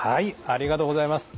ありがとうございます。